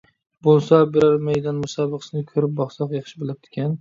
بولسا بىرەر مەيدان مۇسابىقىسىنى كۆرۈپ باقساق ياخشى بولاتتىكەن!